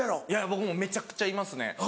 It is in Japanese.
僕もめちゃくちゃいますね